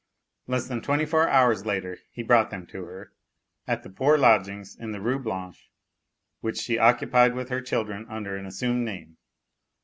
Less than twenty four hours later he brought them to her, at the poor lodgings in the Rue Blanche which she occupied with her children under an assumed name.